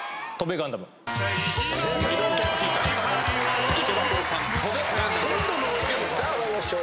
ガンダム』さあ参りましょう。